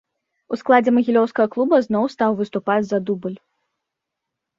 У складзе магілёўскага клуба зноў стаў выступаць за дубль.